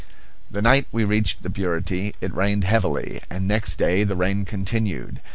The night we reached the Burity it rained heavily, and next day the rain continued.